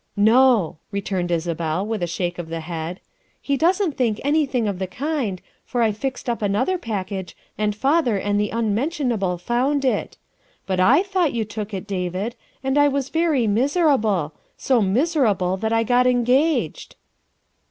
" No," returned Isabel, with a shake of the head, " he doesn't think anything of the kind, for I fixed up another package and father and the Unmentionable found it. But 7 thought you took it, David, and I was very miserable so miserable that I got engaged."